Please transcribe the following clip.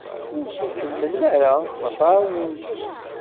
Ur t-ikemmen ara, axaṭer inǧes.